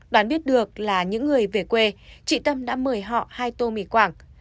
đoán biết được là những người về quê chị tâm đã mời họ hai tô mì quảng